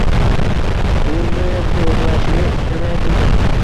Uni bulg’ashini istamay bildim.